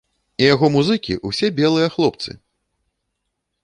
І яго музыкі ўсе белыя хлопцы!